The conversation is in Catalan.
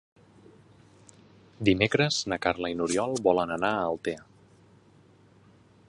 Dimecres na Carla i n'Oriol volen anar a Altea.